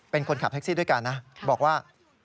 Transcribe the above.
เป็นคนขับแท็กซี่ด้วยกันนะบอกว่า